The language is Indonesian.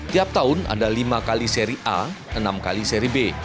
tiap tahun ada lima kali seri a enam kali seri b